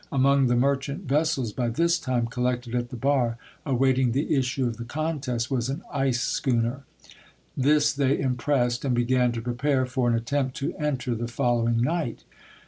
Among the merchant ves sels by this time collected at the bar, awaiting the issue of the contest, was an ice schooner; this they impressed and began to prepare for an attempt to enter the following night.